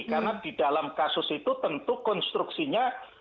karena di dalam kasus itu tentu konstruksinya